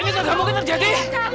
ini tak mungkin terjadi